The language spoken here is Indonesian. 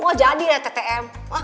oh jadi ya ttm